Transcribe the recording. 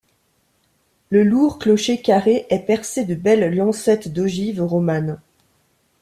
Le lourd clocher carré est percé de belles lancette d'ogives romanes.